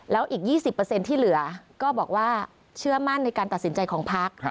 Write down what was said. แล้วอีก๒๐ที่เหลือก็บอกว่าเชื่อมั่นในการตัดสินใจของพัก